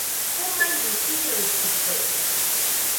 Komaibɨ riroitɨkue.